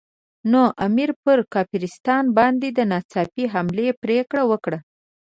نو امیر پر کافرستان باندې د ناڅاپي حملې پرېکړه وکړه.